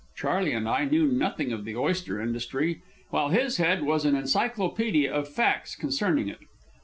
Charley and I knew nothing of the oyster industry, while his head was an encyclopædia of facts concerning it.